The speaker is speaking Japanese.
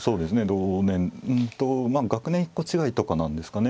同年まあ学年１個違いとかなんですかね。